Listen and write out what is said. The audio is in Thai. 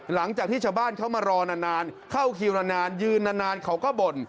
หลังจากที่ชาวบ้านเขามารอนานเข้าคิวนานยืนนานเขาก็บ่น